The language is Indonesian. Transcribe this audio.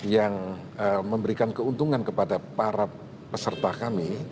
yang memberikan keuntungan kepada para peserta kami